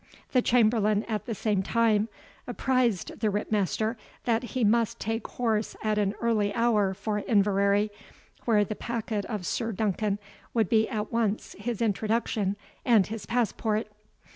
The chamberlain at the same time apprized the Ritt master, that he must take horse at an early hour for Inverary, where the packet of Sir Duncan would be at once his introduction and his passport.